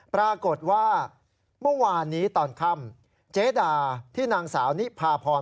ปรากฏว่าเมื่อวานนี้ตอนค่ำเจดาที่นางสาวนิพาพร